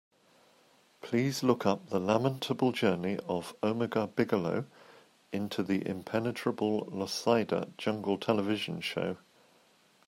Please look up The Lamentable Journey of Omaha Bigelow into the Impenetrable Loisaida Jungle television show.